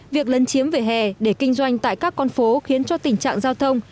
việc lấn chiếm vỉa hè để kinh doanh tại các con phố khiến cho tình trạng giao thông